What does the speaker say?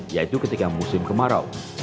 yaitu ketika musim kemarau